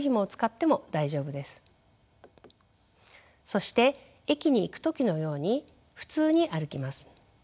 そして駅に行く時のように普通に歩きます。